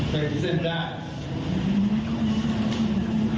เป็นเส้นได้